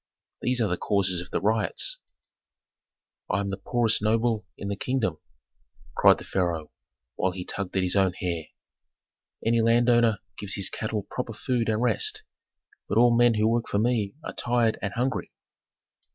These are the causes of riots." "I am the poorest noble in the kingdom!" cried the pharaoh, while he tugged at his own hair. "Any landowner gives his cattle proper food and rest; but all men who work for me are tired and hungry.